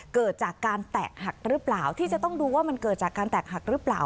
เกิดจากการแตกหักหรือเปล่าที่จะต้องดูว่ามันเกิดจากการแตกหักหรือเปล่า